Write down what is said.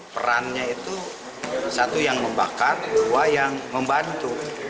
perannya itu satu yang membakar dua yang membantu